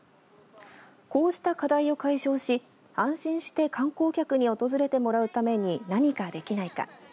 こうした課題を解消し安心して観光客に訪れてもらうために何かできないか。